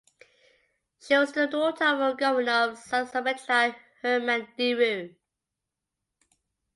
She was the daughter of Governor of South Sumatra Herman Deru.